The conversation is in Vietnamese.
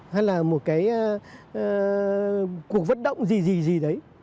hay là một cái cuộc vận động gì gì đấy